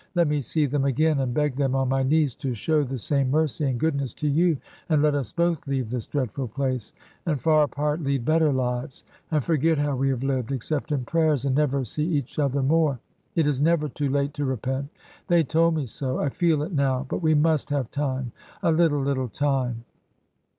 Let me see them again, and beg them, on my knees, to show the same mercy and goodness to you, and let us both leave this dreadf td place, and far apart lead better lives, and forget how we have lived, except in prayers, and never see each other more. It is never too late to repent. They told me so — ^I feel it now — but we must have time — a little, little time!'